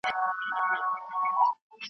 خو شیطان یې دی په زړه کي ځای نیولی .